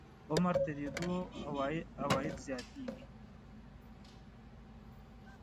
عمر تېرېدو عواید زیاتېږي.